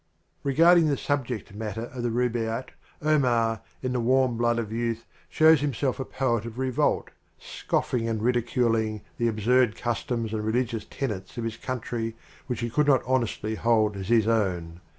Regarding the subject matter of the Rubaiyat, Omar, in the warm blood of youth, shows him self a poet of revolt, scoffing and ridiculing the absurd customs and religious tenets of his coun try which he could not honestly hold as his own.